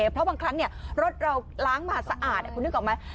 เพราะบางครั้งรถเราล้างมาสะอาดคุณนึกออกไหม